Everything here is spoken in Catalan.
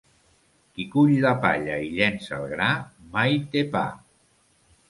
Qui cull la palla i llença el gra mai té pa.